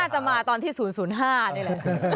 จะมาตอนที่๐๐๕นี่แหละ